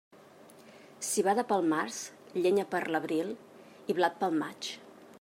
Civada pel març, llenya per l'abril i blat pel maig.